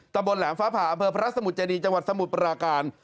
ตะบนแหลมฟ้าผ่าอำเภอพระสมุทรเจดีจังหวัดสมุทรปราการ